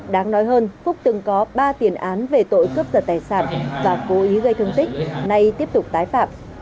đáng nói hơn phúc từng có ba tiền án về tội cướp giật tài sản và cố ý gây thương tích nay tiếp tục tái phạm